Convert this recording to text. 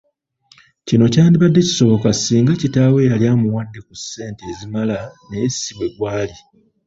Kino kyandibadde kisoboka singa kitaawe yali amuwadde ku ssente ezimala naye si bwe gwali.